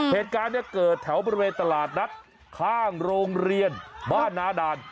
เหตุการณ์เนี่ยเกิดแถวบริเวณตลาดนัดข้างโรงเรียนบ้านนาด่าน